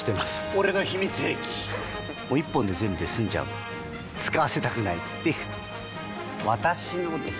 俺の秘密兵器１本で全部済んじゃう使わせたくないっていう私のです！